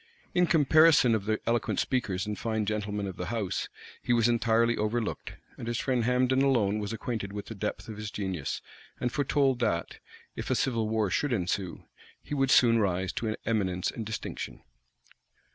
In comparison of the eloquent speakers and fine gentlemen of the house, he was entirely overlooked; and his friend Hambden alone was acquainted with the depth of his genius, and foretold that, if a civil war should ensue, he would soon rise to eminence and distinction.